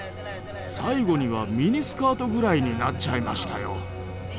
最後にはミニスカートぐらいになっちゃいましたよ。